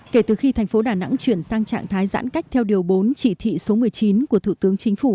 kể từ khi thành phố đà nẵng chuyển sang trạng thái giãn cách theo điều bốn chỉ thị số một mươi chín của thủ tướng chính phủ